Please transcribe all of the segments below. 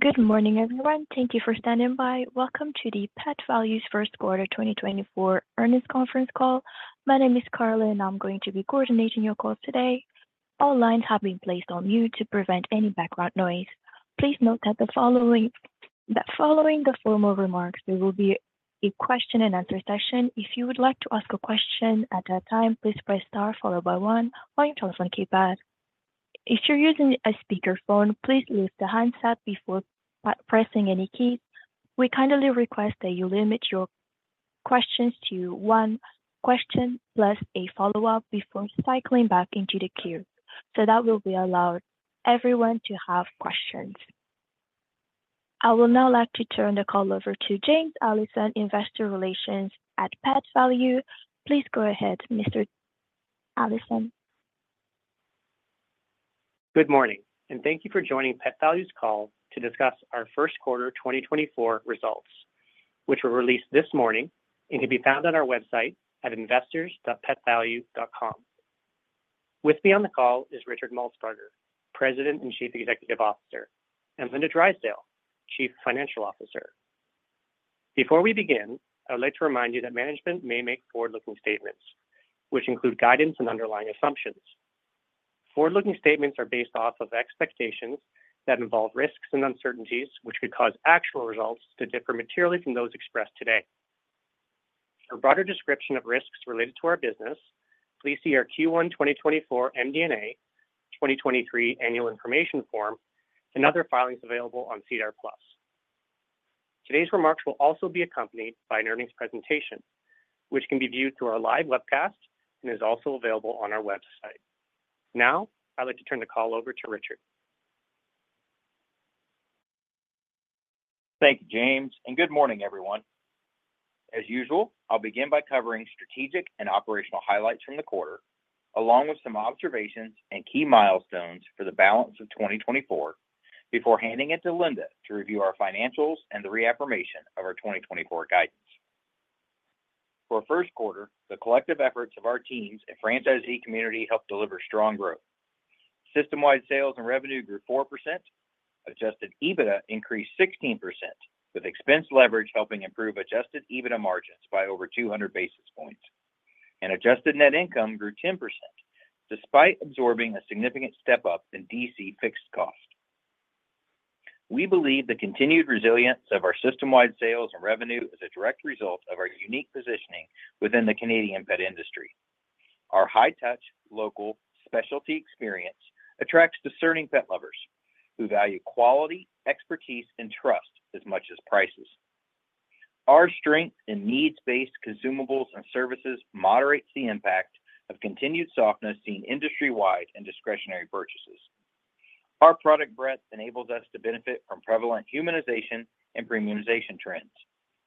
Good morning, everyone. Thank you for standing by. Welcome to the Pet Valu First Quarter 2024 Earnings Conference Call. My name is Carla, and I'm going to be coordinating your call today. All lines have been placed on mute to prevent any background noise. Please note that following the formal remarks, there will be a question-and-answer session. If you would like to ask a question at that time, please press star followed by 1 on your telephone keypad. If you're using a speaker phone, please lift the handset before pressing any keys. We kindly request that you limit your questions to 1 question plus a follow-up before cycling back into the queue, so that will be allowed everyone to have questions. I will now like to turn the call over to James Allison, Investor Relations at Pet Valu. Please go ahead, Mr. Allison. Good morning, and thank you for joining Pet Valu's Call to discuss our Q1 2024 results, which were released this morning and can be found on our website at investors.petvalu.com. With me on the call is Richard Maltsbarger, President and Chief Executive Officer, and Linda Drysdale, Chief Financial Officer. Before we begin, I would like to remind you that management may make forward-looking statements, which include guidance and underlying assumptions. Forward-looking statements are based off of expectations that involve risks and uncertainties, which could cause actual results to differ materially from those expressed today. For a broader description of risks related to our business, please see our Q1 2024 MD&A, 2023 Annual Information Form and other filings available on SEDAR+. Today's remarks will also be accompanied by an earnings presentation, which can be viewed through our live webcast and is also available on our website. Now, I'd like to turn the call over to Richard. Thank you, James, and good morning, everyone. As usual, I'll begin by covering strategic and operational highlights from the quarter, along with some observations and key milestones for the balance of 2024, before handing it to Linda to review our financials and the reaffirmation of our 2024 guidance. For our Q1, the collective efforts of our teams and franchisee community helped deliver strong growth. System-wide sales and revenue grew 4%, adjusted EBITDA increased 16%, with expense leverage helping improve adjusted EBITDA margins by over 200 basis points, and adjusted net income grew 10% despite absorbing a significant step up in DC fixed cost. We believe the continued resilience of our system-wide sales and revenue is a direct result of our unique positioning within the Canadian pet industry. Our high-touch, local, specialty experience attracts discerning pet lovers, who value quality, expertise, and trust as much as prices. Our strength in needs-based consumables and services moderates the impact of continued softness seen industry-wide in discretionary purchases. Our product breadth enables us to benefit from prevalent humanization and premiumization trends,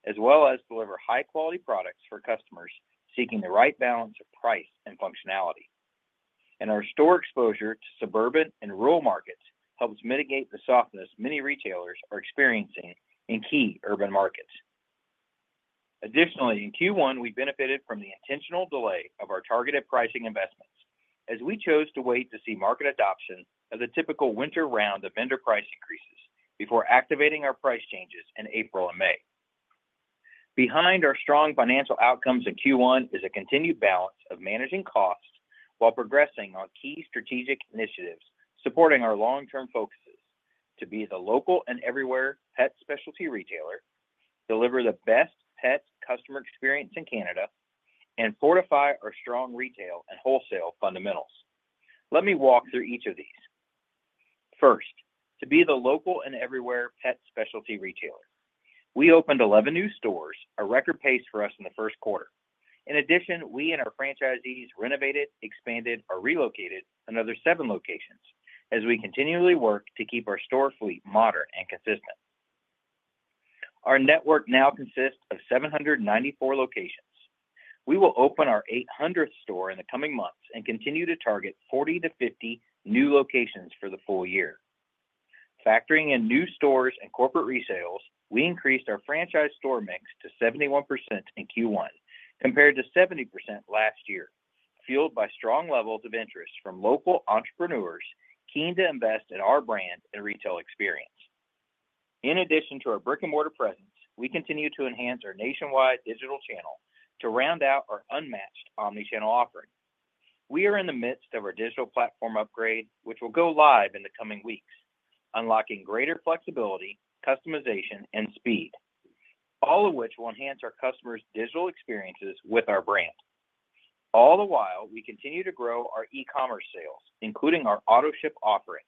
as well as deliver high-quality products for customers seeking the right balance of price and functionality. Our store exposure to suburban and rural markets helps mitigate the softness many retailers are experiencing in key urban markets. Additionally, in Q1, we benefited from the intentional delay of our targeted pricing investments, as we chose to wait to see market adoption of the typical winter round of vendor price increases before activating our price changes in April and May. Behind our strong financial outcomes in Q1 is a continued balance of managing costs while progressing on key strategic initiatives supporting our long-term focuses: to be the local and everywhere pet specialty retailer, deliver the best pet customer experience in Canada, and fortify our strong retail and wholesale fundamentals. Let me walk through each of these. First, to be the local and everywhere pet specialty retailer. We opened 11 new stores, a record pace for us in the Q1. In addition, we and our franchisees renovated, expanded, or relocated another 7 locations as we continually work to keep our store fleet modern and consistent. Our network now consists of 794 locations. We will open our 800th store in the coming months and continue to target 40-50 new locations for the full year. Factoring in new stores and corporate resales, we increased our franchise store mix to 71% in Q1 compared to 70% last year, fueled by strong levels of interest from local entrepreneurs keen to invest in our brand and retail experience. In addition to our brick-and-mortar presence, we continue to enhance our nationwide digital channel to round out our unmatched omnichannel offering. We are in the midst of our digital platform upgrade, which will go live in the coming weeks, unlocking greater flexibility, customization, and speed, all of which will enhance our customers' digital experiences with our brand. All the while, we continue to grow our e-commerce sales, including our AutoShip offering,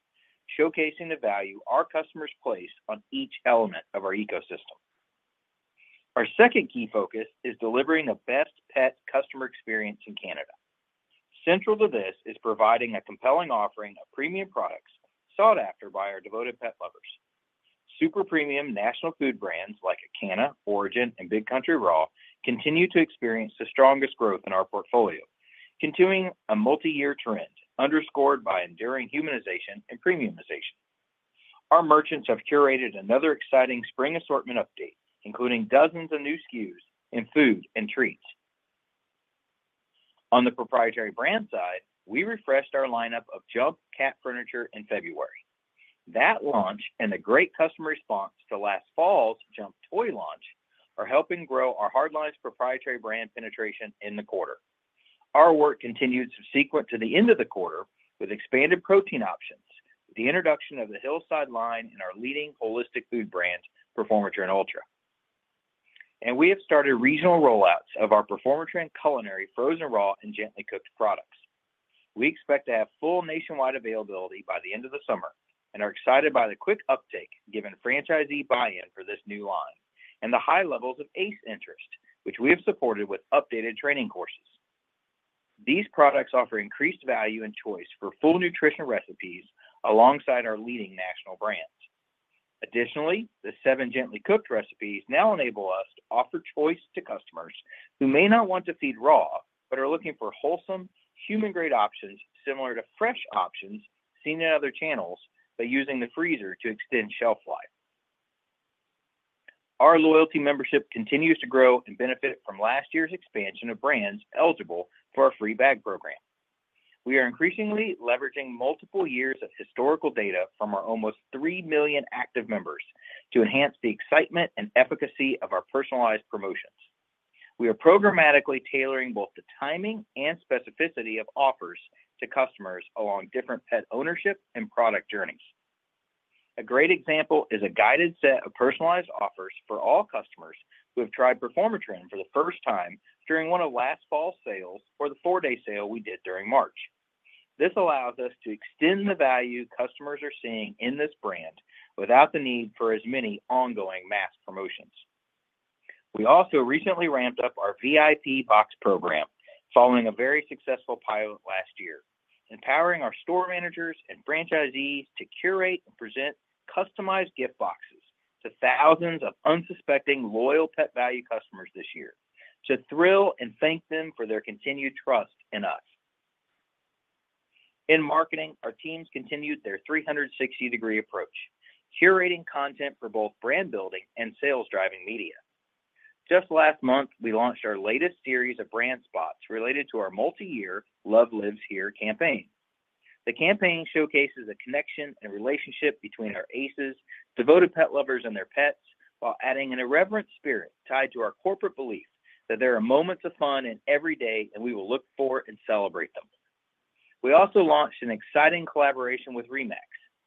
showcasing the value our customers place on each element of our ecosystem. Our second key focus is delivering the best pet customer experience in Canada. Central to this is providing a compelling offering of premium products sought after by our devoted pet lovers. Super premium national food brands like Acana, Orijen, and Big Country Raw continue to experience the strongest growth in our portfolio, continuing a multi-year trend underscored by enduring humanization and premiumization. Our merchants have curated another exciting spring assortment update, including dozens of new SKUs in food and treats. On the proprietary brand side, we refreshed our lineup of Jump cat furniture in February. That launch and the great customer response to last fall's Jump toy launch are helping grow our hardlines proprietary brand penetration in the quarter. Our work continued subsequent to the end of the quarter with expanded protein options, with the introduction of the Hillside line in our leading holistic food brand, Performatrin Ultra. We have started regional rollouts of our Performatrin Culinary frozen raw and gently cooked products. We expect to have full nationwide availability by the end of the summer and are excited by the quick uptake given franchisee buy-in for this new line and the high levels of ACE interest, which we have supported with updated training courses. These products offer increased value and choice for full nutrition recipes alongside our leading national brands. Additionally, the 7 gently cooked recipes now enable us to offer choice to customers who may not want to feed raw but are looking for wholesome, human-grade options similar to fresh options seen in other channels by using the freezer to extend shelf life. Our loyalty membership continues to grow and benefit from last year's expansion of brands eligible for our free bag program. We are increasingly leveraging multiple years of historical data from our almost 3 million active members to enhance the excitement and efficacy of our personalized promotions. We are programmatically tailoring both the timing and specificity of offers to customers along different pet ownership and product journeys. A great example is a guided set of personalized offers for all customers who have tried Performatrin for the first time during one of last fall's sales or the 4-day sale we did during March. This allows us to extend the value customers are seeing in this brand without the need for as many ongoing mass promotions. We also recently ramped up our VIP Box program following a very successful pilot last year, empowering our store managers and franchisees to curate and present customized gift boxes to thousands of unsuspecting loyal Pet Valu customers this year to thrill and thank them for their continued trust in us. In marketing, our teams continued their 360-degree approach, curating content for both brand-building and sales-driving media. Just last month, we launched our latest series of brand spots related to our multi-year Love Lives Here campaign. The campaign showcases a connection and relationship between our ACEs, devoted pet lovers, and their pets, while adding an irreverent spirit tied to our corporate belief that there are moments of fun in every day, and we will look for and celebrate them. We also launched an exciting collaboration with RE/MAX,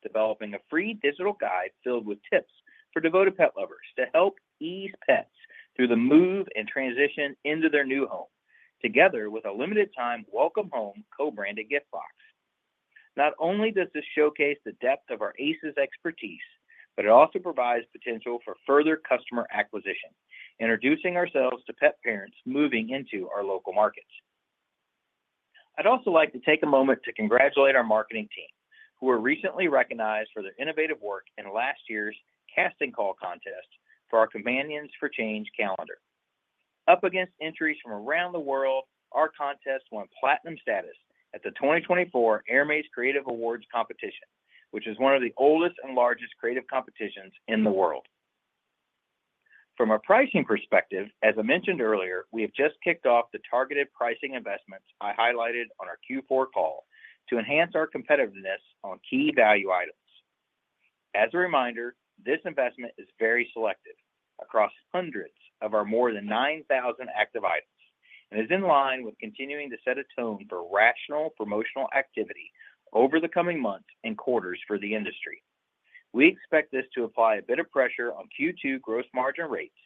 developing a free digital guide filled with tips for devoted pet lovers to help ease pets through the move and transition into their new home, together with a limited-time Welcome Home co-branded gift box. Not only does this showcase the depth of our ACEs' expertise, but it also provides potential for further customer acquisition, introducing ourselves to pet parents moving into our local markets. I'd also like to take a moment to congratulate our marketing team, who were recently recognized for their innovative work in last year's casting call contest for our Companions for Change calendar. Up against entries from around the world, our contest won platinum status at the 2024 Hermes Creative Awards competition, which is one of the oldest and largest creative competitions in the world. From a pricing perspective, as I mentioned earlier, we have just kicked off the targeted pricing investments I highlighted on our Q4 call to enhance our competitiveness on key value items. As a reminder, this investment is very selective across hundreds of our more than 9,000 active items and is in line with continuing to set a tone for rational promotional activity over the coming months and quarters for the industry. We expect this to apply a bit of pressure on Q2 gross margin rates,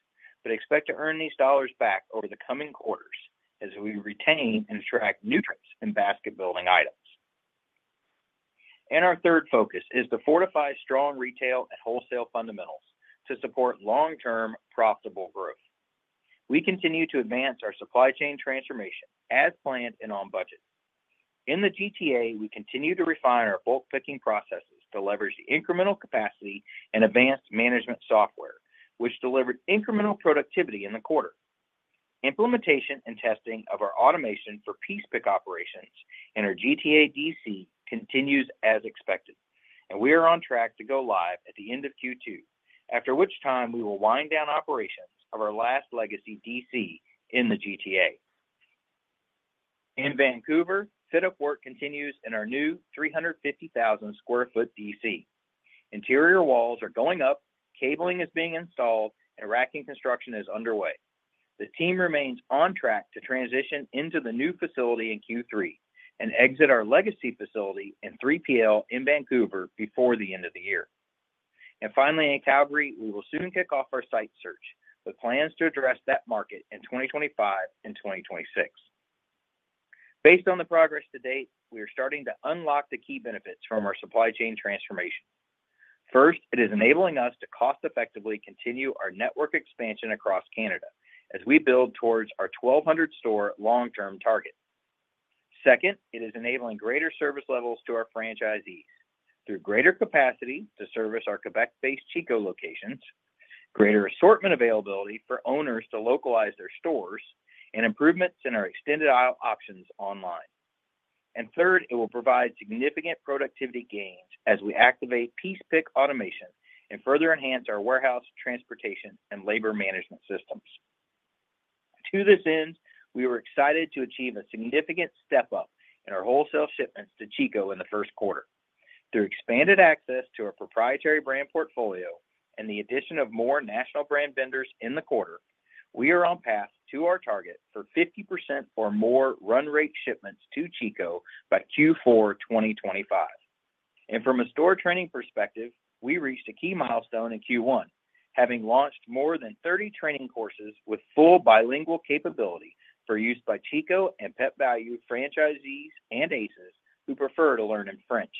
but expect to earn these dollars back over the coming quarters as we retain and attract new and basket-building items. Our third focus is to fortify strong retail and wholesale fundamentals to support long-term profitable growth. We continue to advance our supply chain transformation as planned and on budget. In the GTA, we continue to refine our bulk picking processes to leverage the incremental capacity and advanced management software, which delivered incremental productivity in the quarter. Implementation and testing of our automation for piece pick operations in our GTA DC continues as expected, and we are on track to go live at the end of Q2, after which time we will wind down operations of our last legacy DC in the GTA. In Vancouver, setup work continues in our new 350,000 sq ft DC. Interior walls are going up, cabling is being installed, and racking construction is underway. The team remains on track to transition into the new facility in Q3 and exit our legacy facility in 3PL in Vancouver before the end of the year. Finally, in Calgary, we will soon kick off our site search with plans to address that market in 2025 and 2026. Based on the progress to date, we are starting to unlock the key benefits from our supply chain transformation. First, it is enabling us to cost-effectively continue our network expansion across Canada as we build towards our 1,200-store long-term target. Second, it is enabling greater service levels to our franchisees through greater capacity to service our Quebec-based Chico locations, greater assortment availability for owners to localize their stores, and improvements in our extended aisle options online. And third, it will provide significant productivity gains as we activate piece pick automation and further enhance our warehouse, transportation, and labor management systems. To this end, we were excited to achieve a significant step up in our wholesale shipments to Chico in the Q1. Through expanded access to our proprietary brand portfolio and the addition of more national brand vendors in the quarter, we are on path to our target for 50% or more run-rate shipments to Chico by Q4 2025. From a store training perspective, we reached a key milestone in Q1, having launched more than 30 training courses with full bilingual capability for use by Chico and Pet Valu franchisees and ACEs who prefer to learn in French.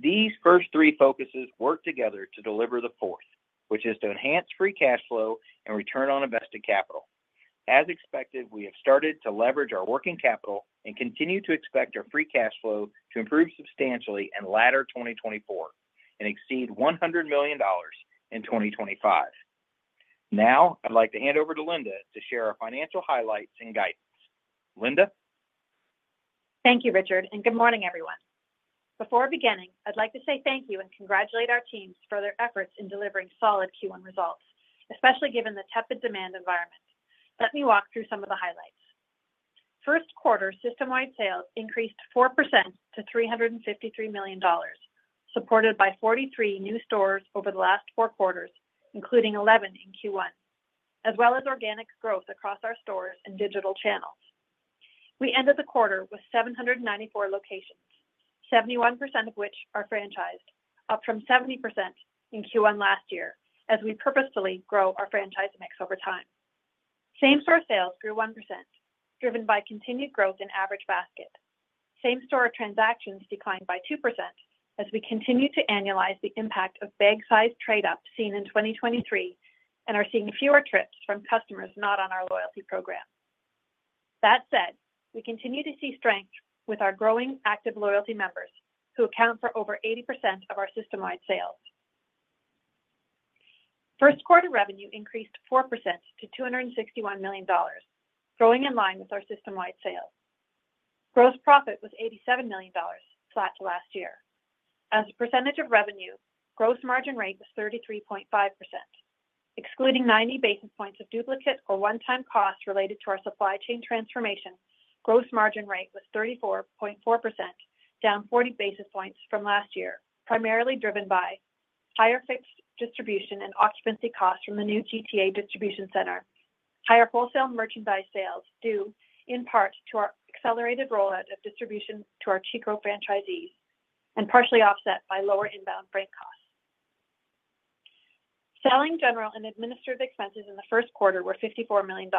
These first three focuses work together to deliver the fourth, which is to enhance free cash flow and return on invested capital. As expected, we have started to leverage our working capital and continue to expect our free cash flow to improve substantially in latter 2024 and exceed 100 million dollars in 2025. Now, I'd like to hand over to Linda to share our financial highlights and guidance. Linda? Thank you, Richard, and good morning, everyone. Before beginning, I'd like to say thank you and congratulate our team's further efforts in delivering solid Q1 results, especially given the tepid demand environment. Let me walk through some of the highlights. First quarter, system-wide sales increased 4% to CAD $353 million, supported by 43 new stores over the last four quarters, including 11 in Q1, as well as organic growth across our stores and digital channels. We ended the quarter with 794 locations, 71% of which are franchised, up from 70% in Q1 last year as we purposefully grow our franchise mix over time. Same-store sales grew 1%, driven by continued growth in average basket. Same-store transactions declined by 2% as we continue to annualize the impact of bag-size trade-up seen in 2023 and are seeing fewer trips from customers not on our loyalty program. That said, we continue to see strength with our growing active loyalty members who account for over 80% of our system-wide sales. Q1 revenue increased 4% to CAD $261 million, growing in line with our system-wide sales. Gross profit was CAD $87 million, flat to last year. As a percentage of revenue, gross margin rate was 33.5%. Excluding 90 basis points of duplicate or one-time costs related to our supply chain transformation, gross margin rate was 34.4%, down 40 basis points from last year, primarily driven by higher fixed distribution and occupancy costs from the new GTA distribution center. Higher wholesale merchandise sales due, in part, to our accelerated rollout of distribution to our Chico franchisees. And partially offset by lower inbound freight costs. Selling general and administrative expenses in the Q1 were CAD $54 million.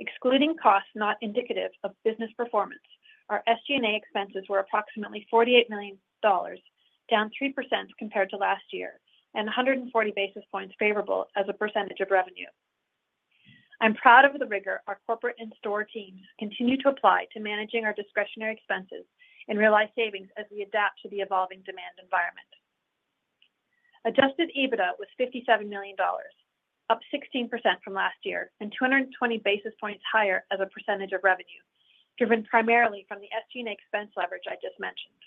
Excluding costs not indicative of business performance, our SG&A expenses were approximately CAD $48 million, down 3% compared to last year and 140 basis points favorable as a percentage of revenue. I'm proud of the rigor our corporate and store teams continue to apply to managing our discretionary expenses and realize savings as we adapt to the evolving demand environment. Adjusted EBITDA was CAD $57 million, up 16% from last year and 220 basis points higher as a percentage of revenue, driven primarily from the SG&A expense leverage I just mentioned.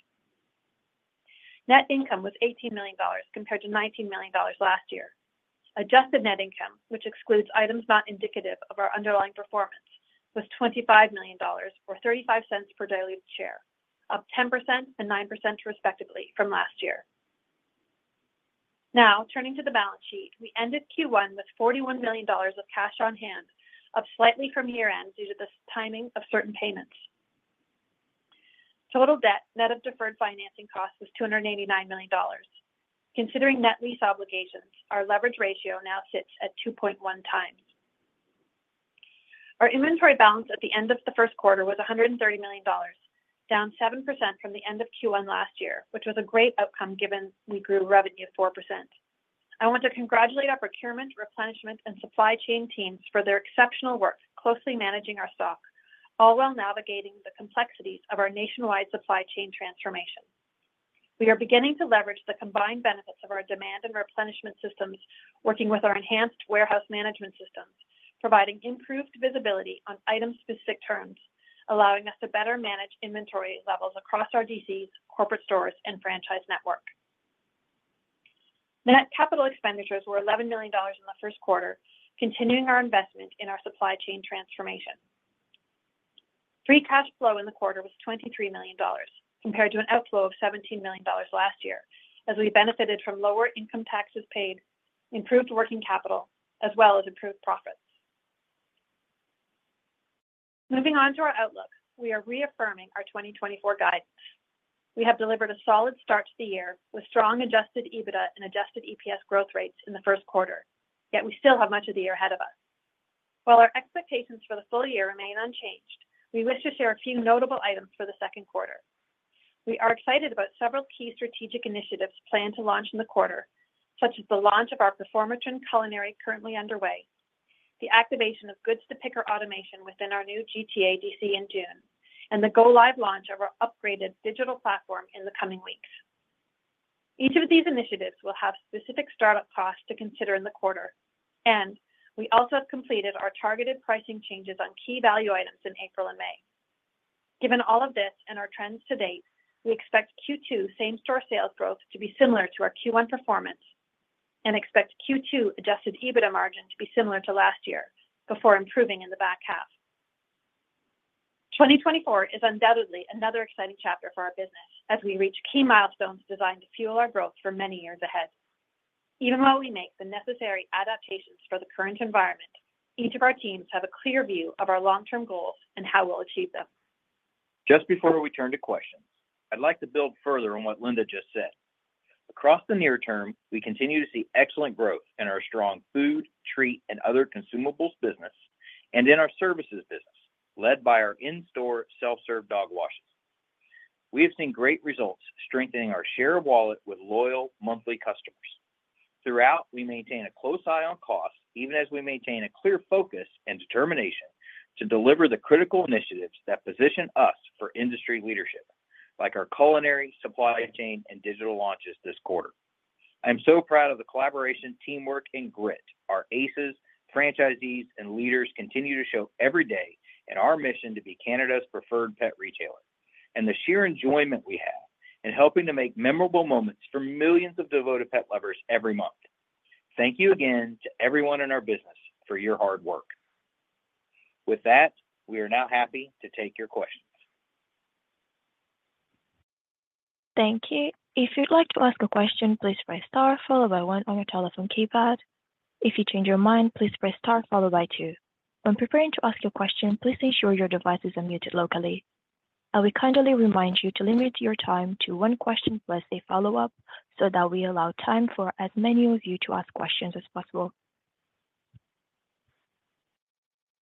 Net income was CAD $18 million compared to CAD $19 million last year. Adjusted net income, which excludes items not indicative of our underlying performance, was CAD $25 million or 0.35 per diluted share, up 10% and 9% respectively from last year. Now, turning to the balance sheet, we ended Q1 with CAD $41 million of cash on hand, up slightly from year-end due to the timing of certain payments. Total debt net of deferred financing costs was CAD $289 million. Considering net lease obligations, our leverage ratio now sits at 2.1 times. Our inventory balance at the end of the Q1 was CAD $130 million, down 7% from the end of Q1 last year, which was a great outcome given we grew revenue 4%. I want to congratulate our procurement, replenishment, and supply chain teams for their exceptional work closely managing our stock, all while navigating the complexities of our nationwide supply chain transformation. We are beginning to leverage the combined benefits of our demand and replenishment systems working with our enhanced warehouse management systems, providing improved visibility on item-specific terms, allowing us to better manage inventory levels across our DCs, corporate stores, and franchise network. Net capital expenditures were CAD $11 million in the Q1, continuing our investment in our supply chain transformation. Free cash flow in the quarter was CAD $23 million compared to an outflow of CAD $17 million last year as we benefited from lower income taxes paid, improved working capital, as well as improved profits. Moving on to our outlook, we are reaffirming our 2024 guidance. We have delivered a solid start to the year with strong Adjusted EBITDA and Adjusted EPS growth rates in the Q1, yet we still have much of the year ahead of us. While our expectations for the full year remain unchanged, we wish to share a few notable items for the Q2. We are excited about several key strategic initiatives planned to launch in the quarter, such as the launch of our Performatrin Culinary currently underway, the activation of goods-to-picker automation within our new GTA DC in June, and the Go Live launch of our upgraded digital platform in the coming weeks. Each of these initiatives will have specific startup costs to consider in the quarter, and we also have completed our targeted pricing changes on key value items in April and May. Given all of this and our trends to date, we expect Q2 same-store sales growth to be similar to our Q1 performance and expect Q2 Adjusted EBITDA margin to be similar to last year before improving in the back half. 2024 is undoubtedly another exciting chapter for our business as we reach key milestones designed to fuel our growth for many years ahead. Even while we make the necessary adaptations for the current environment, each of our teams have a clear view of our long-term goals and how we'll achieve them. Just before we turn to questions, I'd like to build further on what Linda just said. Across the near term, we continue to see excellent growth in our strong food, treat, and other consumables business and in our services business, led by our in-store self-serve dog washes. We have seen great results strengthening our share of wallet with loyal monthly customers. Throughout, we maintain a close eye on costs even as we maintain a clear focus and determination to deliver the critical initiatives that position us for industry leadership, like our culinary, supply chain, and digital launches this quarter. I am so proud of the collaboration, teamwork, and grit our ACEs, franchisees, and leaders continue to show every day in our mission to be Canada's preferred pet retailer and the sheer enjoyment we have in helping to make memorable moments for millions of devoted pet lovers every month. Thank you again to everyone in our business for your hard work. With that, we are now happy to take your questions. Thank you. If you'd like to ask a question, please press * followed by 1 on your telephone keypad. If you change your mind, please press * followed by 2. When preparing to ask your question, please ensure your device is unmuted locally. I will kindly remind you to limit your time to one question plus a follow-up so that we allow time for as many of you to ask questions as possible.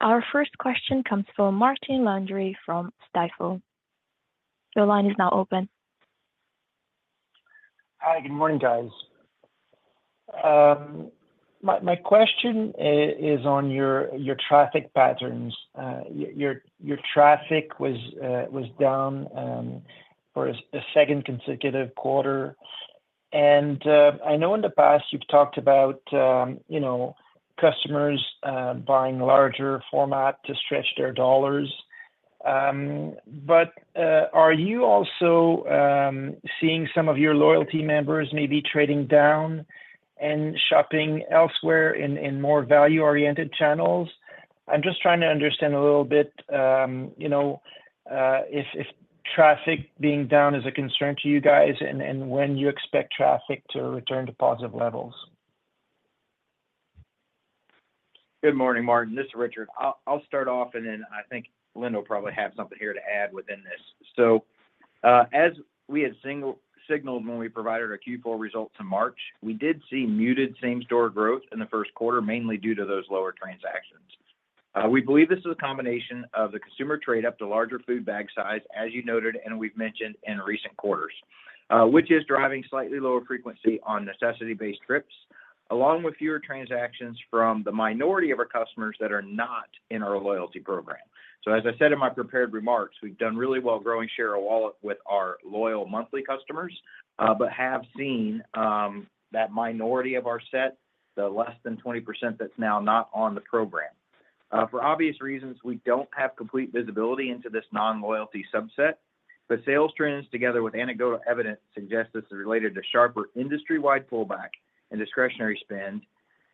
Our first question comes from Martin Landry from Stifel. Your line is now open. Hi, good morning, guys. My question is on your traffic patterns. Your traffic was down for a second consecutive quarter. And I know in the past you've talked about customers buying larger format to stretch their dollars. But are you also seeing some of your loyalty members maybe trading down and shopping elsewhere in more value-oriented channels? I'm just trying to understand a little bit if traffic being down is a concern to you guys and when you expect traffic to return to positive levels. Good morning, Martin. This is Richard. I'll start off, and then I think Linda will probably have something here to add within this. So as we had signaled when we provided our Q4 results in March, we did see muted same-store growth in the Q1, mainly due to those lower transactions. We believe this is a combination of the consumer trade-up to larger food bag size, as you noted and we've mentioned in recent quarters, which is driving slightly lower frequency on necessity-based trips, along with fewer transactions from the minority of our customers that are not in our loyalty program. So as I said in my prepared remarks, we've done really well growing share of wallet with our loyal monthly customers but have seen that minority of our set, the less than 20% that's now not on the program. For obvious reasons, we don't have complete visibility into this non-loyalty subset, but sales trends together with anecdotal evidence suggest this is related to sharper industry-wide pullback in discretionary spend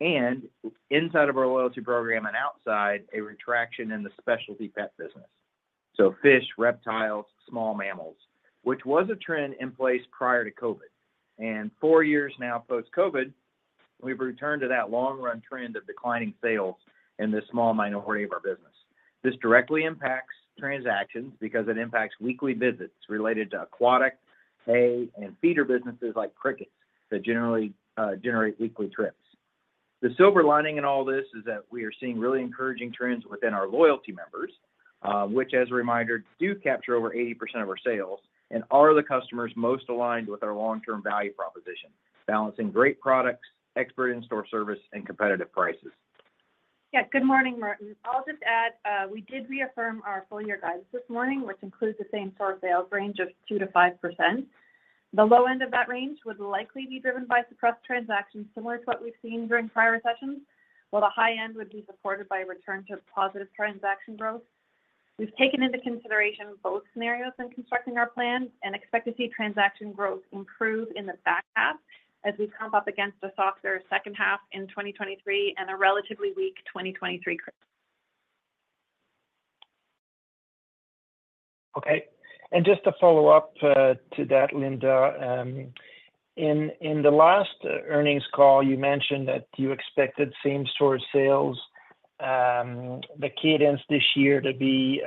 and, inside of our loyalty program and outside, a retraction in the specialty pet business, so fish, reptiles, small mammals, which was a trend in place prior to COVID. Four years now post-COVID, we've returned to that long-run trend of declining sales in this small minority of our business. This directly impacts transactions because it impacts weekly visits related to aquatic, hay, and feeder businesses like crickets that generally generate weekly trips. The silver lining in all this is that we are seeing really encouraging trends within our loyalty members, which, as a reminder, do capture over 80% of our sales and are the customers most aligned with our long-term value proposition, balancing great products, expert in-store service, and competitive prices. Yeah, good morning, Martin. I'll just add we did reaffirm our full-year guidance this morning, which includes the same-store sales range of 2%-5%. The low end of that range would likely be driven by suppressed transactions similar to what we've seen during prior sessions, while the high end would be supported by a return to positive transaction growth. We've taken into consideration both scenarios in constructing our plan and expect to see transaction growth improve in the back half as we comp up against a softer second half in 2023 and a relatively weak 2023. Okay. And just to follow up to that, Linda, in the last earnings call, you mentioned that you expected same-store sales, the cadence this year to be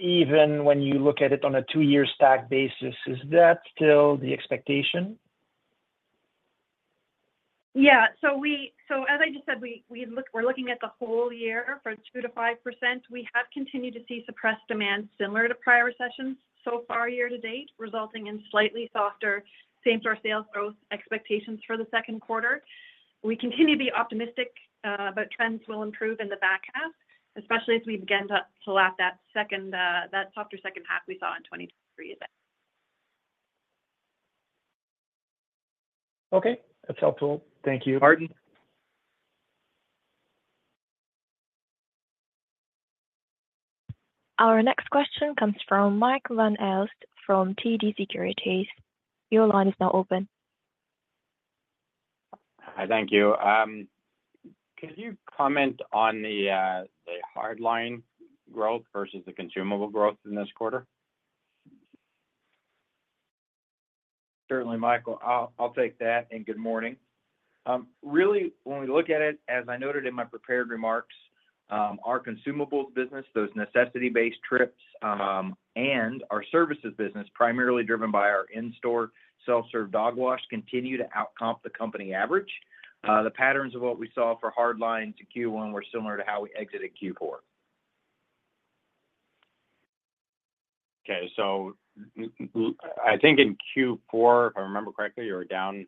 even when you look at it on a two-year stack basis. Is that still the expectation? Yeah. So as I just said, we're looking at the whole year for 2%-5%. We have continued to see suppressed demand similar to prior sessions so far year to date, resulting in slightly softer same-store sales growth expectations for the Q2. We continue to be optimistic about trends will improve in the back half, especially as we begin to lap that softer H2 we saw in 2023. Okay. That's helpful. Thank you. Martin. Our next question comes from Michael Van Aelst from TD Securities. Your line is now open. Hi, thank you. Could you comment on the hardline growth versus the consumable growth in this quarter? Certainly, Michael. I'll take that, and good morning. Really, when we look at it, as I noted in my prepared remarks, our consumables business, those necessity-based trips, and our services business, primarily driven by our in-store self-serve dog wash, continue to outpace the company average. The patterns of what we saw for hardlines in Q1 were similar to how we exited Q4. Okay. So I think in Q4, if I remember correctly, you were down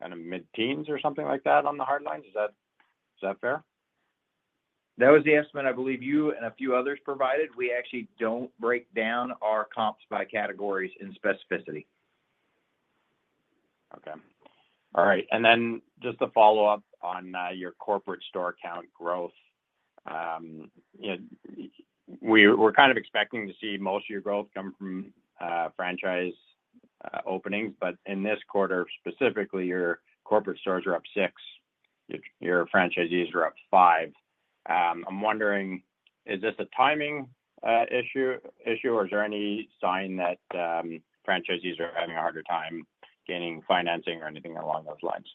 kind of mid-teens or something like that on the hardlines. Is that fair? That was the estimate I believe you and a few others provided. We actually don't break down our comps by categories in specificity. Okay. All right. Then just to follow up on your corporate store account growth, we're kind of expecting to see most of your growth come from franchise openings. In this quarter specifically, your corporate stores are up 6%. Your franchisees are up 5%. I'm wondering, is this a timing issue, or is there any sign that franchisees are having a harder time gaining financing or anything along those lines?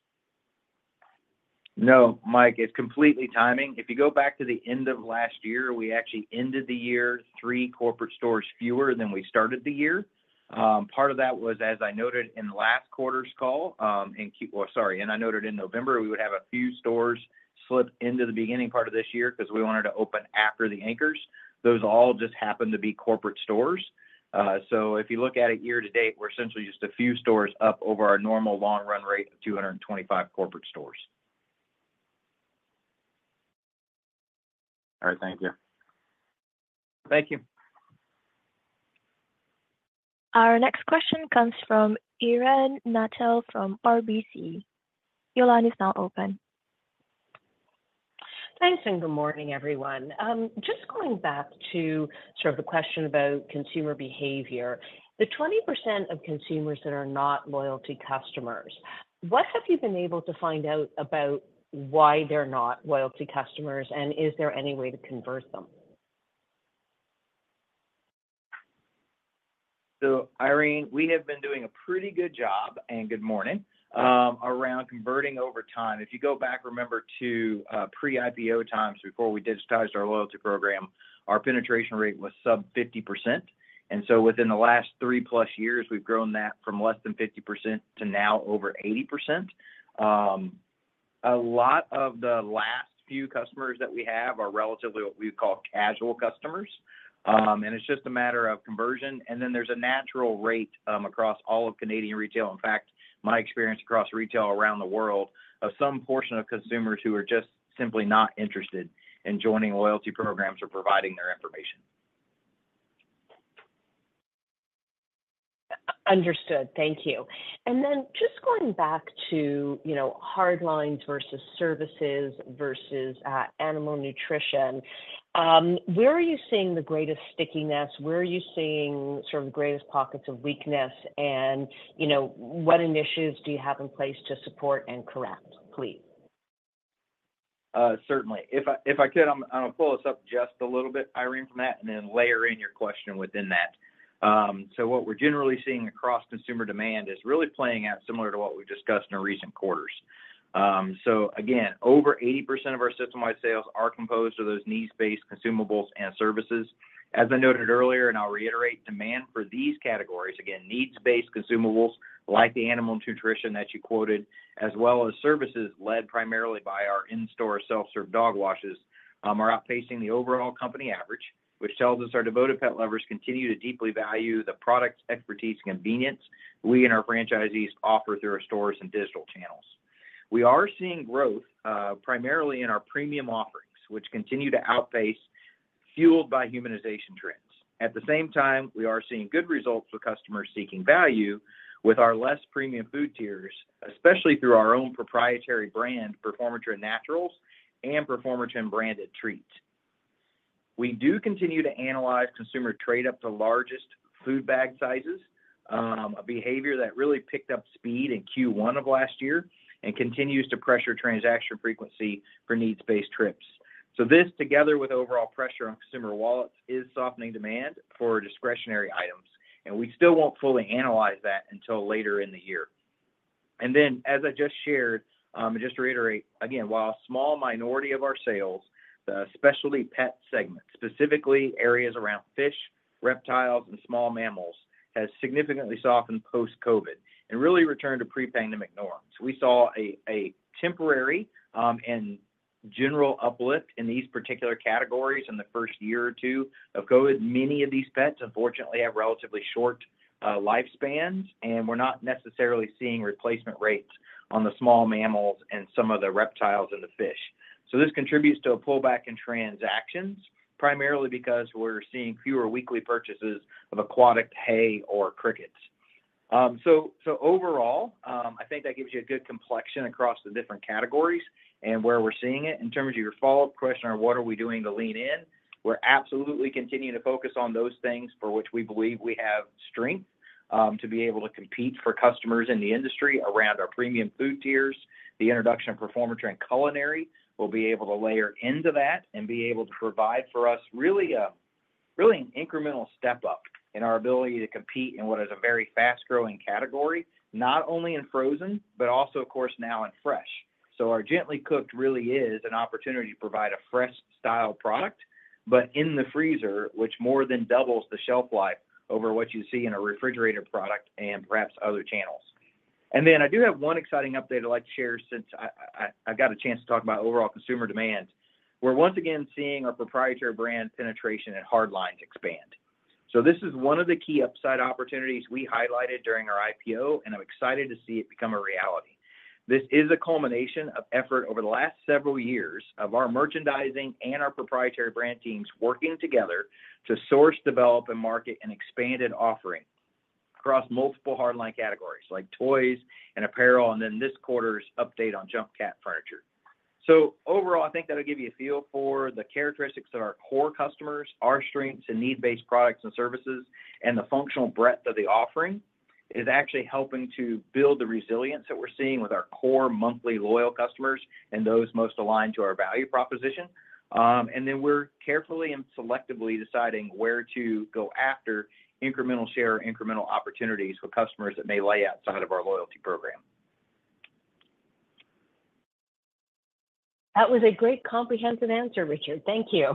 No, Mike, it's completely timing. If you go back to the end of last year, we actually ended the year 3 corporate stores fewer than we started the year. Part of that was, as I noted in last quarter's call, and I noted in November, we would have a few stores slip into the beginning part of this year because we wanted to open after the anchors. Those all just happened to be corporate stores. So if you look at it year to date, we're essentially just a few stores up over our normal long-run rate of 225 corporate stores. All right. Thank you. Thank you. Our next question comes from Irene Nattel from RBC. Your line is now open. Thanks and good morning, everyone. Just going back to sort of the question about consumer behavior, the 20% of consumers that are not loyalty customers, what have you been able to find out about why they're not loyalty customers, and is there any way to convert them? So Irene, we have been doing a pretty good job, and good morning, around converting over time. If you go back, remember, to pre-IPO times before we digitized our loyalty program, our penetration rate was sub-50%. And so within the last 3+ years, we've grown that from less than 50% to now over 80%. A lot of the last few customers that we have are relatively what we would call casual customers. And it's just a matter of conversion. And then there's a natural rate across all of Canadian retail. In fact, my experience across retail around the world of some portion of consumers who are just simply not interested in joining loyalty programs or providing their information. Understood. Thank you. And then just going back to hardlines versus services versus animal nutrition, where are you seeing the greatest stickiness? Where are you seeing sort of the greatest pockets of weakness? And what initiatives do you have in place to support and correct, please? Certainly. If I could, I'm going to pull us up just a little bit, Irene, from that and then layer in your question within that. So what we're generally seeing across consumer demand is really playing out similar to what we've discussed in recent quarters. So again, over 80% of our system-wide sales are composed of those needs-based consumables and services. As I noted earlier, and I'll reiterate, demand for these categories, again, needs-based consumables like the animal nutrition that you quoted, as well as services led primarily by our in-store self-serve dog washes, are outpacing the overall company average, which tells us our devoted pet lovers continue to deeply value the products, expertise, and convenience we and our franchisees offer through our stores and digital channels. We are seeing growth primarily in our premium offerings, which continue to outpace, fueled by humanization trends. At the same time, we are seeing good results with customers seeking value with our less premium food tiers, especially through our own proprietary brand, Performatrin Naturals, and Performatrin branded treats. We do continue to analyze consumer trade-up to largest food bag sizes, a behavior that really picked up speed in Q1 of last year and continues to pressure transaction frequency for needs-based trips. So this, together with overall pressure on consumer wallets, is softening demand for discretionary items. We still won't fully analyze that until later in the year. Then, as I just shared, and just to reiterate, again, while a small minority of our sales, the specialty pet segment, specifically areas around fish, reptiles, and small mammals, has significantly softened post-COVID and really returned to pre-pandemic norms. We saw a temporary and general uplift in these particular categories in the first year or two of COVID. Many of these pets, unfortunately, have relatively short lifespans, and we're not necessarily seeing replacement rates on the small mammals and some of the reptiles and the fish. So this contributes to a pullback in transactions, primarily because we're seeing fewer weekly purchases of aquatic hay or crickets. So overall, I think that gives you a good complexion across the different categories and where we're seeing it. In terms of your follow-up question on what are we doing to lean in, we're absolutely continuing to focus on those things for which we believe we have strength to be able to compete for customers in the industry around our premium food tiers. The introduction of Performatrin Culinary will be able to layer into that and be able to provide for us really an incremental step up in our ability to compete in what is a very fast-growing category, not only in frozen but also, of course, now in fresh. So our gently cooked really is an opportunity to provide a fresh-style product but in the freezer, which more than doubles the shelf life over what you see in a refrigerated product and perhaps other channels. And then I do have one exciting update I'd like to share since I've got a chance to talk about overall consumer demand. We're once again seeing our proprietary brand penetration and hardlines expand. So this is one of the key upside opportunities we highlighted during our IPO, and I'm excited to see it become a reality. This is a culmination of effort over the last several years of our merchandising and our proprietary brand teams working together to source, develop, and market an expanded offering across multiple hardline categories like toys and apparel and then this quarter's update on Jump cat furniture. So overall, I think that'll give you a feel for the characteristics of our core customers, our strengths in need-based products and services, and the functional breadth of the offering is actually helping to build the resilience that we're seeing with our core monthly loyal customers and those most aligned to our value proposition. And then we're carefully and selectively deciding where to go after incremental share or incremental opportunities with customers that may lie outside of our loyalty program. That was a great comprehensive answer, Richard. Thank you.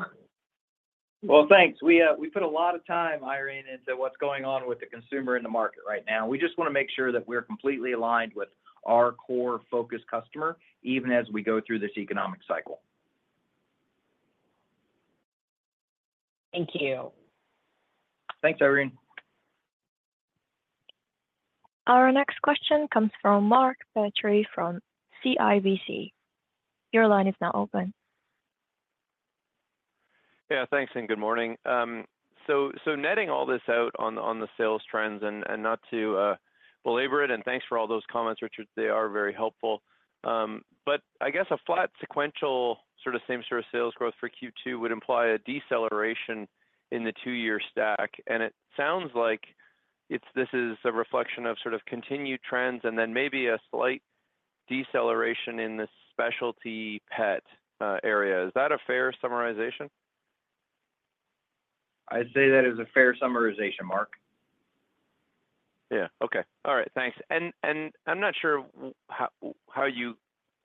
Well, thanks. We put a lot of time, Irene, into what's going on with the consumer in the market right now. We just want to make sure that we're completely aligned with our core focus customer even as we go through this economic cycle. Thank you. Thanks, Irene. Our next question comes from Mark Petrie from CIBC. Your line is now open. Yeah, thanks and good morning. So netting all this out on the sales trends and not to belabor it, and thanks for all those comments, Richard. They are very helpful. But I guess a flat sequential sort of same-store sales growth for Q2 would imply a deceleration in the two-year stack. And it sounds like this is a reflection of sort of continued trends and then maybe a slight deceleration in the specialty pet area. Is that a fair summarization? I'd say that is a fair summarization, Mark. Yeah. Okay. All right. Thanks. And I'm not sure how you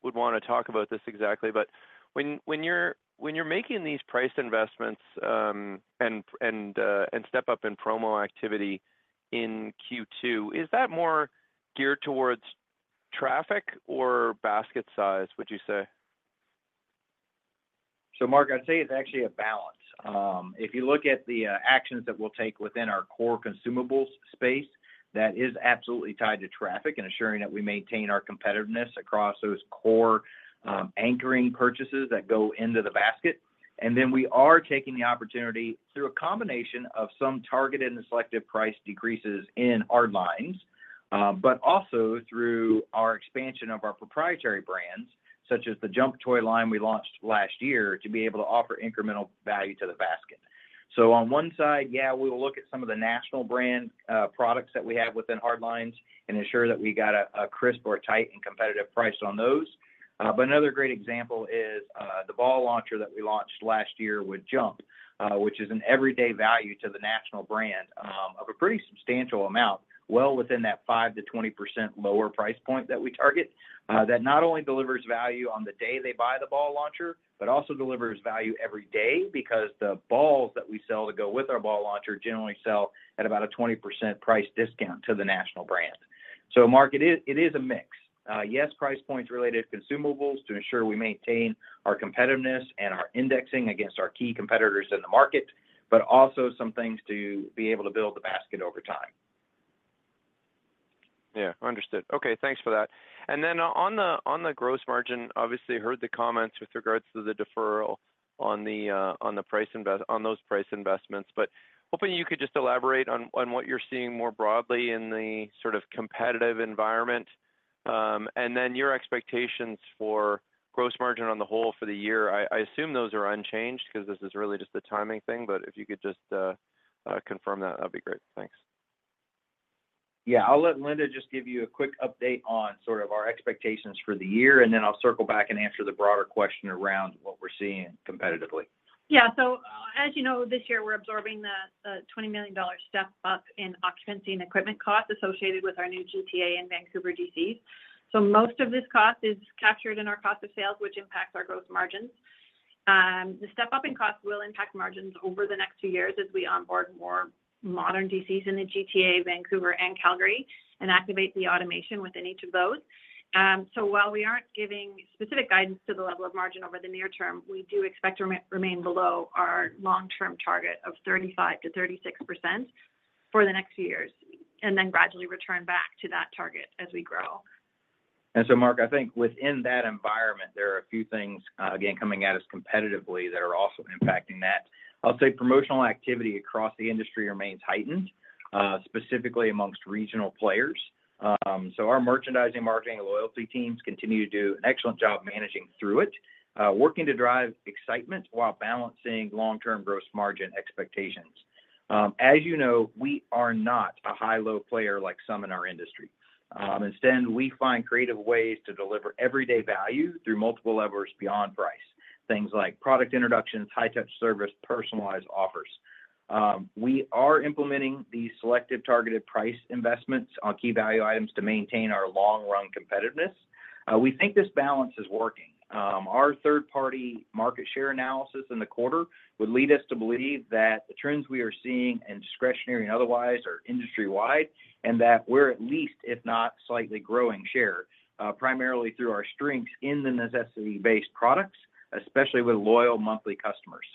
would want to talk about this exactly, but when you're making these price investments and step up in promo activity in Q2, is that more geared towards traffic or basket size, would you say? So Mark, I'd say it's actually a balance. If you look at the actions that we'll take within our core consumables space, that is absolutely tied to traffic and assuring that we maintain our competitiveness across those core anchoring purchases that go into the basket. And then we are taking the opportunity through a combination of some targeted and selective price decreases in hardlines but also through our expansion of our proprietary brands such as the Jump toy line we launched last year to be able to offer incremental value to the basket. So on one side, yeah, we will look at some of the national brand products that we have within hardlines and ensure that we got a crisp or tight and competitive price on those. But another great example is the ball launcher that we launched last year with Jump, which is an everyday value to the national brand of a pretty substantial amount, well within that 5%-20% lower price point that we target that not only delivers value on the day they buy the ball launcher but also delivers value every day because the balls that we sell to go with our ball launcher generally sell at about a 20% price discount to the national brand. So Mark, it is a mix. Yes, price points related to consumables to ensure we maintain our competitiveness and our indexing against our key competitors in the market but also some things to be able to build the basket over time. Yeah. Understood. Okay. Thanks for that. And then on the gross margin, obviously, I heard the comments with regards to the deferral on those price investments, but hoping you could just elaborate on what you're seeing more broadly in the sort of competitive environment and then your expectations for gross margin on the whole for the year. I assume those are unchanged because this is really just the timing thing, but if you could just confirm that, that'd be great. Thanks. Yeah. I'll let Linda just give you a quick update on sort of our expectations for the year, and then I'll circle back and answer the broader question around what we're seeing competitively. Yeah. So as you know, this year, we're absorbing the CAD $20 million step up in occupancy and equipment costs associated with our new GTA and Vancouver DCs. So most of this cost is captured in our cost of sales, which impacts our gross margins. The step-up in costs will impact margins over the next two years as we onboard more modern DCs in the GTA, Vancouver, and Calgary and activate the automation within each of those. So while we aren't giving specific guidance to the level of margin over the near term, we do expect to remain below our long-term target of 35%-36% for the next few years and then gradually return back to that target as we grow. And so Mark, I think within that environment, there are a few things, again, coming at us competitively that are also impacting that. I'll say promotional activity across the industry remains heightened, specifically among regional players. Our merchandising, marketing, and loyalty teams continue to do an excellent job managing through it, working to drive excitement while balancing long-term gross margin expectations. As you know, we are not a high-low player like some in our industry. Instead, we find creative ways to deliver everyday value through multiple levels beyond price, things like product introductions, high-touch service, personalized offers. We are implementing these selective targeted price investments on key value items to maintain our long-run competitiveness. We think this balance is working. Our third-party market share analysis in the quarter would lead us to believe that the trends we are seeing and discretionary and otherwise are industry-wide and that we're at least, if not slightly, growing share primarily through our strengths in the necessity-based products, especially with loyal monthly customers.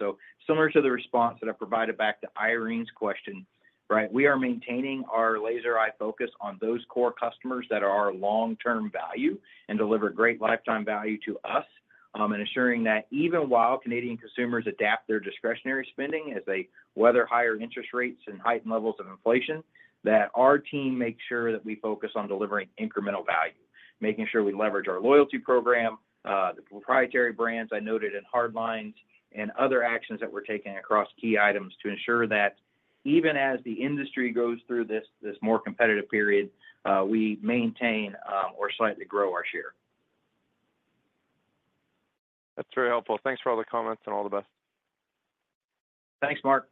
Similar to the response that I provided back to Irene's question, right, we are maintaining our laser-eye focus on those core customers that are our long-term value and deliver great lifetime value to us and assuring that even while Canadian consumers adapt their discretionary spending as they weather higher interest rates and heightened levels of inflation, that our team makes sure that we focus on delivering incremental value, making sure we leverage our loyalty program, the proprietary brands I noted in hardlines, and other actions that we're taking across key items to ensure that even as the industry goes through this more competitive period, we maintain or slightly grow our share. That's very helpful. Thanks for all the comments and all the best. Thanks, Mark.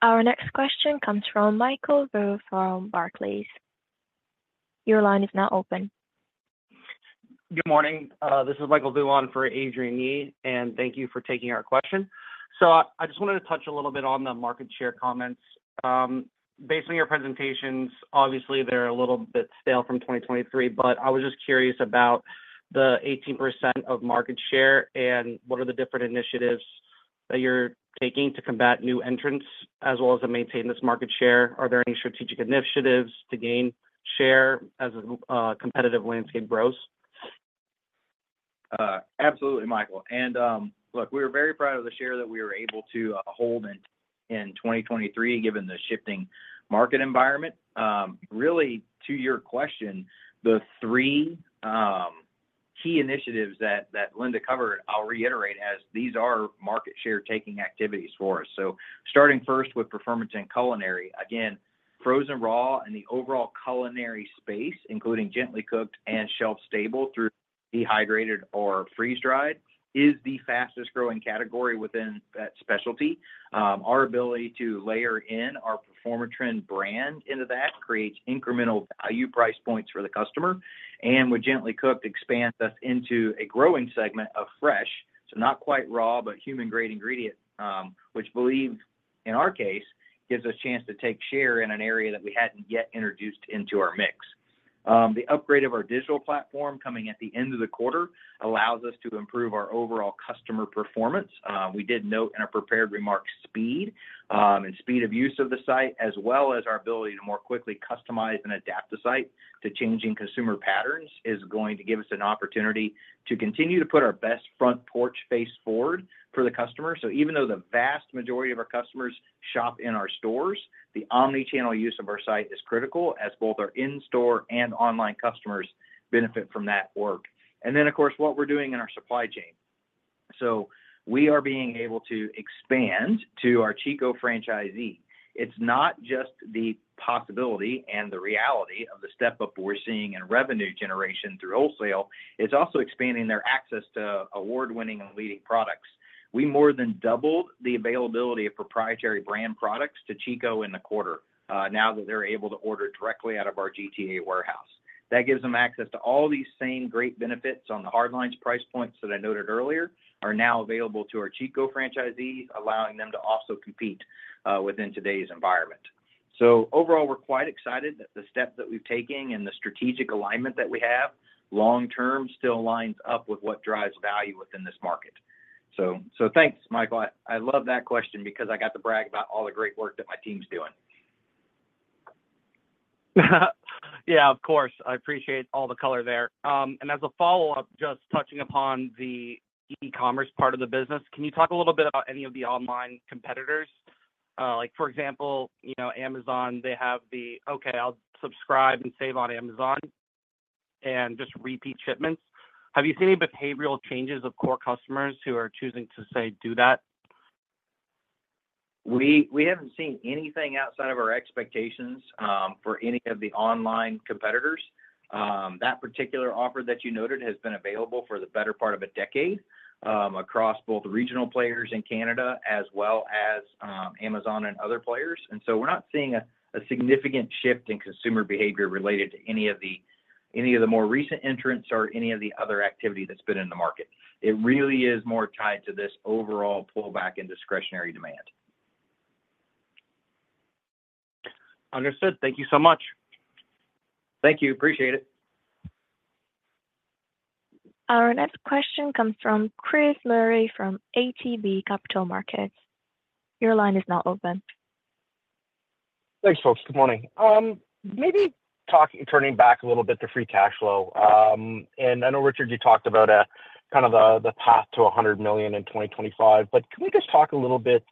Our next question comes from Michael Vu from Barclays. Your line is now open. Good morning. This is Michael Vu on for Adrian Yih, and thank you for taking our question. So I just wanted to touch a little bit on the market share comments. Based on your presentations, obviously, they're a little bit stale from 2023, but I was just curious about the 18% of market share and what are the different initiatives that you're taking to combat new entrants as well as to maintain this market share? Are there any strategic initiatives to gain share as a competitive landscape grows? Absolutely, Michael. Look, we were very proud of the share that we were able to hold in 2023 given the shifting market environment. Really, to your question, the three key initiatives that Linda covered, I'll reiterate as these are market share-taking activities for us. Starting first with Performatrin Culinary, again, frozen raw and the overall culinary space, including gently cooked and shelf-stable through dehydrated or freeze-dried, is the fastest-growing category within that specialty. Our ability to layer in our Performatrin brand into that creates incremental value price points for the customer, and with gently cooked, expands us into a growing segment of fresh, so not quite raw, but human-grade ingredients, which, believe in our case, gives us a chance to take share in an area that we hadn't yet introduced into our mix. The upgrade of our digital platform coming at the end of the quarter allows us to improve our overall customer performance. We did note in our prepared remarks speed and speed of use of the site as well as our ability to more quickly customize and adapt the site to changing consumer patterns is going to give us an opportunity to continue to put our best front porch face forward for the customer. So even though the vast majority of our customers shop in our stores, the omnichannel use of our site is critical as both our in-store and online customers benefit from that work. And then, of course, what we're doing in our supply chain. So we are being able to expand to our Chico franchisee. It's not just the possibility and the reality of the step-up we're seeing in revenue generation through wholesale. It's also expanding their access to award-winning and leading products. We more than doubled the availability of proprietary brand products to Chico in the quarter now that they're able to order directly out of our GTA warehouse. That gives them access to all these same great benefits on the hardlines price points that I noted earlier are now available to our Chico franchisees, allowing them to also compete within today's environment. So overall, we're quite excited that the steps that we've taken and the strategic alignment that we have long-term still lines up with what drives value within this market. So thanks, Michael. I love that question because I got to brag about all the great work that my team's doing. Yeah, of course. I appreciate all the color there. As a follow-up, just touching upon the e-commerce part of the business, can you talk a little bit about any of the online competitors? For example, Amazon, they have the, "Okay, I'll subscribe and save on Amazon and just repeat shipments." Have you seen any behavioral changes of core customers who are choosing to, say, do that? We haven't seen anything outside of our expectations for any of the online competitors. That particular offer that you noted has been available for the better part of a decade across both regional players in Canada as well as Amazon and other players. So we're not seeing a significant shift in consumer behavior related to any of the more recent entrants or any of the other activity that's been in the market. It really is more tied to this overall pullback in discretionary demand. Understood. Thank you so much. Thank you. Appreciate it. Our next question comes from Chris Murray from ATB Capital Markets. Your line is now open. Thanks, folks. Good morning. Maybe turning back a little bit to free cash flow. And I know, Richard, you talked about kind of the path to CAD $100 million in 2025, but can we just talk a little bit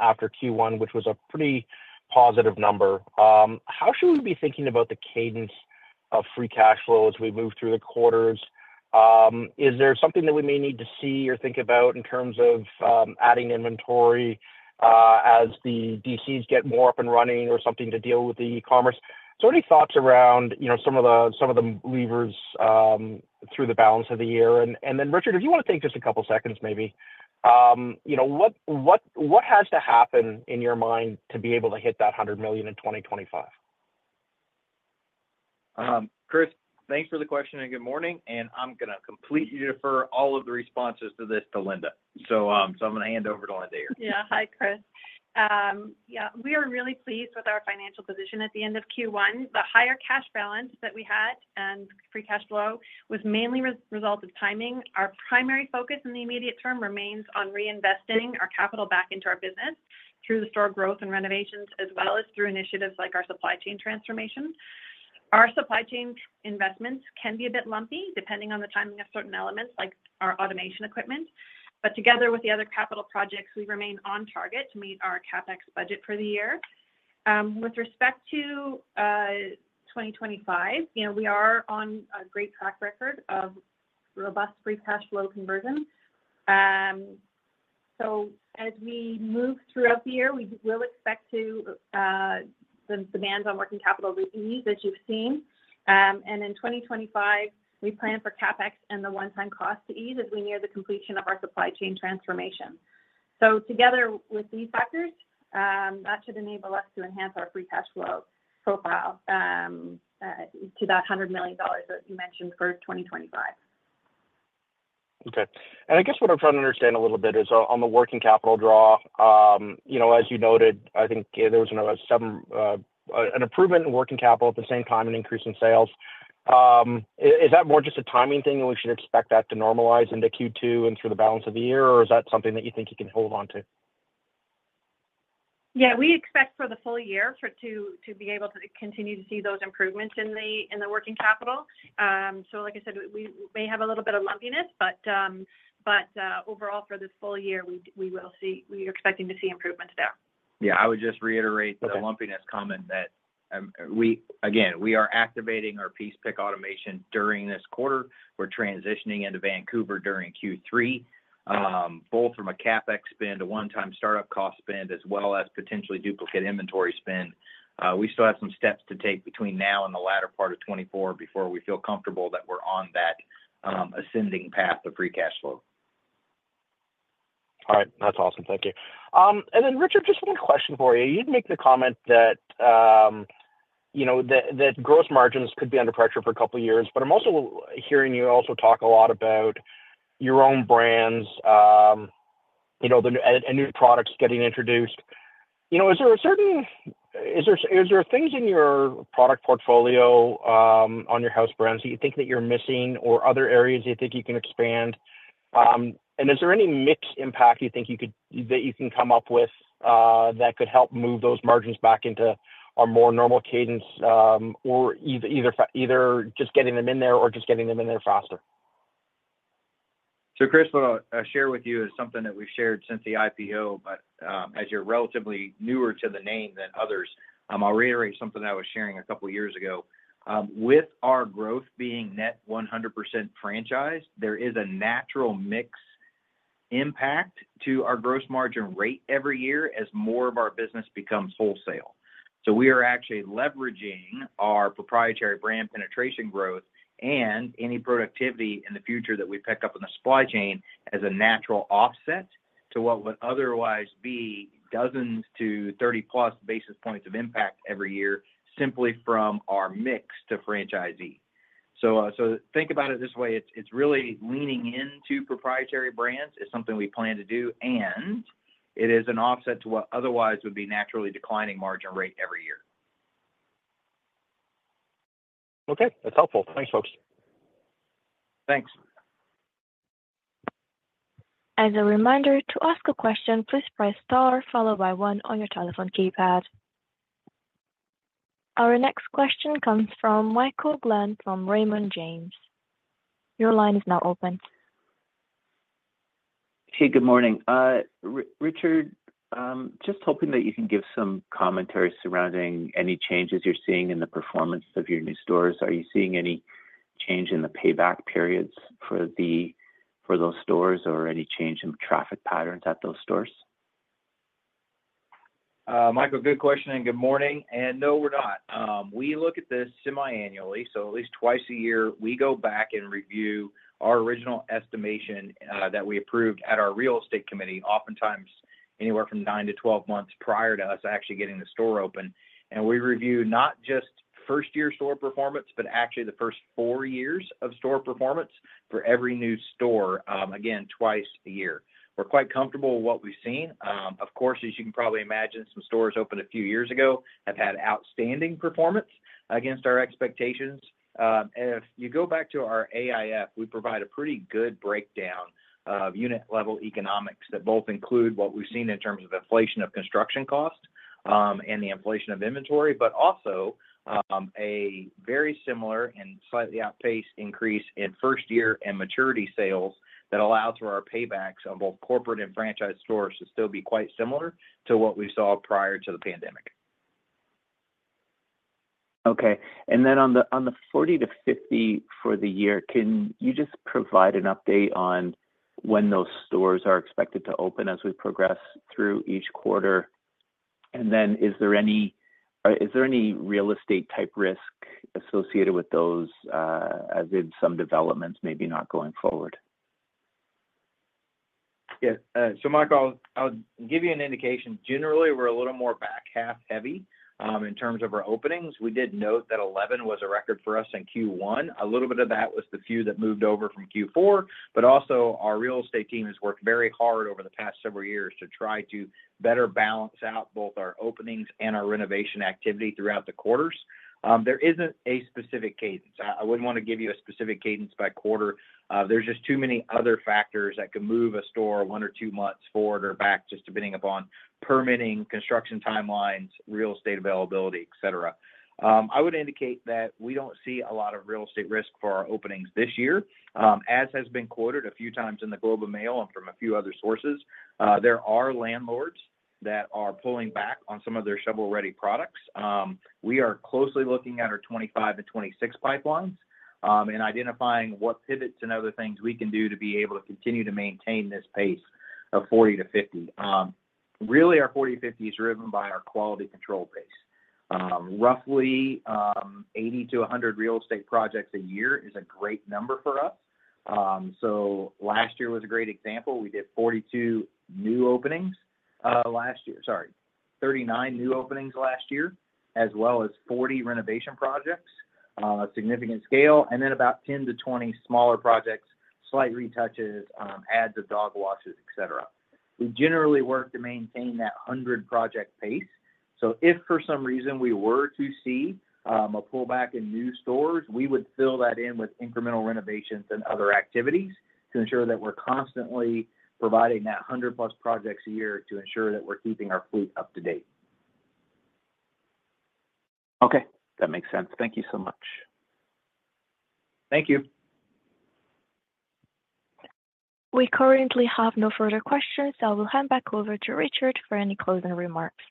after Q1, which was a pretty positive number? How should we be thinking about the cadence of free cash flow as we move through the quarters? Is there something that we may need to see or think about in terms of adding inventory as the DCs get more up and running or something to deal with the e-commerce? So any thoughts around some of the levers through the balance of the year? And then, Richard, if you want to take just a couple of seconds, maybe, what has to happen in your mind to be able to hit that CAD $100 million in 2025? Chris, thanks for the question and good morning. I'm going to completely defer all of the responses to this to Linda. I'm going to hand over to Linda here. Yeah. Hi, Chris. Yeah. We are really pleased with our financial position at the end of Q1. The higher cash balance that we had and free cash flow was mainly a result of timing. Our primary focus in the immediate term remains on reinvesting our capital back into our business through the store growth and renovations as well as through initiatives like our supply chain transformation. Our supply chain investments can be a bit lumpy depending on the timing of certain elements like our automation equipment. But together with the other capital projects, we remain on target to meet our CapEx budget for the year. With respect to 2025, we are on a great track record of robust free cash flow conversion. So as we move throughout the year, we will expect the demands on working capital to ease as you've seen. In 2025, we plan for CapEx and the one-time cost to ease as we near the completion of our supply chain transformation. So together with these factors, that should enable us to enhance our free cash flow profile to that CAD $100 million that you mentioned for 2025. Okay. I guess what I'm trying to understand a little bit is on the working capital draw, as you noted, I think there was an improvement in working capital at the same time an increase in sales. Is that more just a timing thing and we should expect that to normalize into Q2 and through the balance of the year, or is that something that you think you can hold onto? Yeah. We expect for the full year to be able to continue to see those improvements in the working capital. So like I said, we may have a little bit of lumpiness, but overall, for this full year, we are expecting to see improvements there. Yeah. I would just reiterate the lumpiness comment that, again, we are activating our piece-pick automation during this quarter. We're transitioning into Vancouver during Q3, both from a CapEx spend to one-time startup cost spend as well as potentially duplicate inventory spend. We still have some steps to take between now and the latter part of 2024 before we feel comfortable that we're on that ascending path of free cash flow. All right. That's awesome. Thank you. And then, Richard, just one question for you. You'd make the comment that gross margins could be under pressure for a couple of years, but I'm also hearing you also talk a lot about your own brands, a new product getting introduced. Is there things in your product portfolio on your house brands that you think that you're missing or other areas you think you can expand? And is there any mixed impact you think that you can come up with that could help move those margins back into a more normal cadence or either just getting them in there or just getting them in there faster? So Chris, what I'll share with you is something that we've shared since the IPO, but as you're relatively newer to the name than others, I'll reiterate something that I was sharing a couple of years ago. With our growth being net 100% franchised, there is a natural mix impact to our gross margin rate every year as more of our business becomes wholesale. So we are actually leveraging our proprietary brand penetration growth and any productivity in the future that we pick up in the supply chain as a natural offset to what would otherwise be dozens to 30-plus basis points of impact every year simply from our mix to franchisee. So think about it this way. It's really leaning into proprietary brands is something we plan to do, and it is an offset to what otherwise would be naturally declining margin rate every year. Okay. That's helpful. Thanks, folks. Thanks. As a reminder, to ask a question, please press star followed by 1 on your telephone keypad. Our next question comes from Michael Glen from Raymond James. Your line is now open. Hey, good morning. Richard, just hoping that you can give some commentary surrounding any changes you're seeing in the performance of your new stores. Are you seeing any change in the payback periods for those stores or any change in traffic patterns at those stores? Michael, good question and good morning. And no, we're not. We look at this semiannually. So at least twice a year, we go back and review our original estimation that we approved at our real estate committee, oftentimes anywhere from 9-12 months prior to us actually getting the store open. And we review not just first-year store performance, but actually the first 4 years of store performance for every new store, again, twice a year. We're quite comfortable with what we've seen. Of course, as you can probably imagine, some stores opened a few years ago have had outstanding performance against our expectations. If you go back to our AIF, we provide a pretty good breakdown of unit-level economics that both include what we've seen in terms of inflation of construction costs and the inflation of inventory, but also a very similar and slightly outpaced increase in first-year and maturity sales that allow for our paybacks on both corporate and franchise stores to still be quite similar to what we saw prior to the pandemic. Okay. And then on the 40-50 for the year, can you just provide an update on when those stores are expected to open as we progress through each quarter? And then is there any real estate-type risk associated with those as in some developments maybe not going forward? Yeah. So, Michael, I'll give you an indication. Generally, we're a little more back half-heavy in terms of our openings. We did note that 11 was a record for us in Q1. A little bit of that was the few that moved over from Q4. But also, our real estate team has worked very hard over the past several years to try to better balance out both our openings and our renovation activity throughout the quarters. There isn't a specific cadence. I wouldn't want to give you a specific cadence by quarter. There's just too many other factors that could move a store one or two months forward or back just depending upon permitting, construction timelines, real estate availability, etc. I would indicate that we don't see a lot of real estate risk for our openings this year, as has been quoted a few times in the Globe and Mail and from a few other sources. There are landlords that are pulling back on some of their shovel-ready products. We are closely looking at our 2025 and 2026 pipelines and identifying what pivots and other things we can do to be able to continue to maintain this pace of 40-50. Really, our 40-50 is driven by our quality control pace. Roughly 80-100 real estate projects a year is a great number for us. So last year was a great example. We did 42 new openings last year—sorry, 39 new openings last year as well as 40 renovation projects, a significant scale, and then about 10-20 smaller projects, slight retouches, ads of dog washes, etc. We generally work to maintain that 100-project pace. If for some reason we were to see a pullback in new stores, we would fill that in with incremental renovations and other activities to ensure that we're constantly providing that 100+ projects a year to ensure that we're keeping our fleet up to date. Okay. That makes sense. Thank you so much. Thank you. We currently have no further questions, so I will hand back over to Richard for any closing remarks.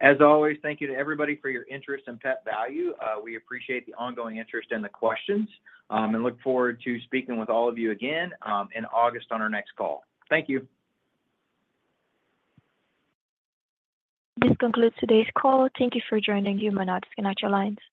As always, thank you to everybody for your interest and Pet Valu. We appreciate the ongoing interest and the questions and look forward to speaking with all of you again in August on our next call. Thank you. This concludes today's call. Thank you for joining us. I'm not disconnecting your lines.